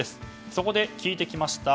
そこで、聞いてきました。